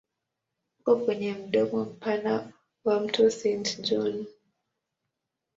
Uko kwenye mdomo mpana wa mto Saint John.